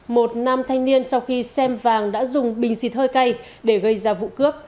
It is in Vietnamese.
một nam thanh niên sau khi xem vàng đã dùng bình xịt hơi cay để gây ra vụ cướp